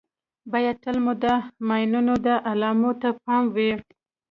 باید تل مو د ماینونو د علامو ته پام وي.